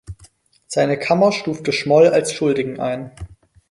Seine Kammer stufte Schmoll als Schuldigen ein.